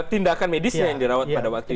tindakan medisnya yang dirawat pada waktu itu